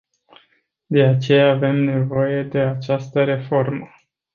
De aceea avem nevoie de această reformă.